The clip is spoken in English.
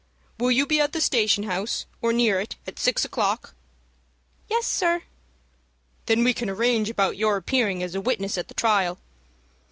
Will you be at the station house, or near it, at six o'clock?" "Yes, sir." "Then we can arrange about your appearing as a witness at the trial.